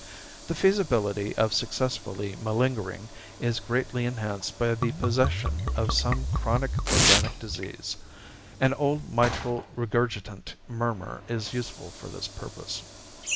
The feasibility of successfully malingering is greatly enhanced by the possession of some chronic organic disease. An old mitral regurgitant murmur is useful for this purpose.